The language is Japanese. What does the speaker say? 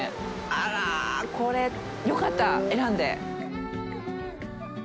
あら、これよかった、選んで。